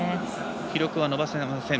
記録は伸ばせません。